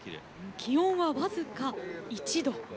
気温は僅か１度。